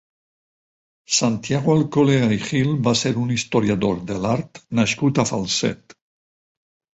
Santiago Alcolea i Gil va ser un historiador de l'art nascut a Falset.